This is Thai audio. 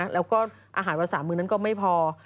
แล้วก็อาหารภาษามือนั้นก็ไม่พอ